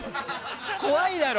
怖いだろ？